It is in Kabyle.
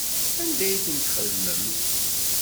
Anda ay ten-txaḍemt?